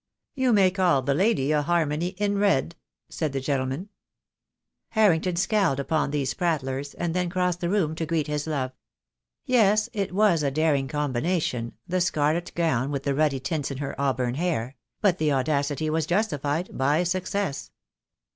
"You may call the lady a harmony in red," said the gentleman. Harrington scowled upon these prattlers, and then crossed the room to greet his love. Yes, it was a daring combination, the scarlet gown with the ruddy tints in her auburn hair: but the audacity was justified by success.